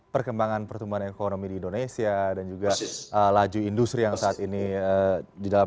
perkembangan pertumbuhan ekonomi di indonesia dan juga laju industri yang saat ini di dalam